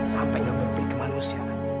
sampai gak berpikir manusia kan